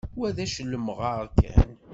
Wa d ačellemɣar kan.